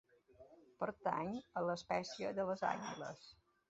Pertany a l'espècie de les Àguiles.